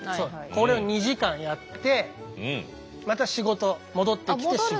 これを２時間やってまた仕事戻ってきて仕事。